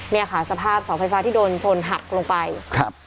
เนี่ยค่ะสภาพเสาไฟฟ้าที่โดนชนหักลงไปครับ